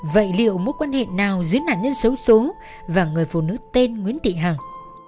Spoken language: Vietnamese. vậy liệu mối quan hệ nào giữa nạn nhân xấu xố và người phụ nữ tên nguyễn thị hằng